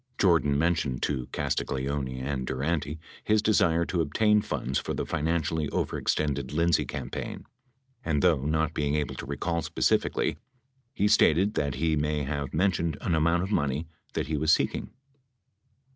Jordan mentioned to Castagleoni and Durante his desire to obtain funds for the financially overextended Lindsay cam paign and, though not being able to recall specifically, he stated that he may have mentioned an amount of money that he was seeking.